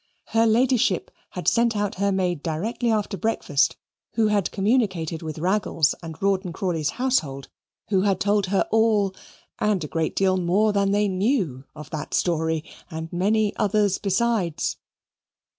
(Her Ladyship had sent out her maid directly after breakfast, who had communicated with Raggles and Rawdon Crawley's household, who had told her all, and a great deal more than they knew, of that story, and many others besides).